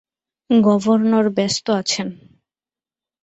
Governor ব্যস্ত আছেন।